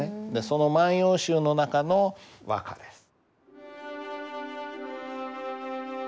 その「万葉集」の中の和歌です。